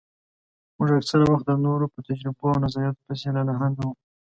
موږ اکثره وخت د نورو په تجربو او نظرياتو پسې لالهانده وو.